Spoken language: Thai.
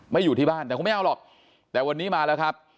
อยู่ที่บ้านแต่คงไม่เอาหรอกแต่วันนี้มาแล้วครับ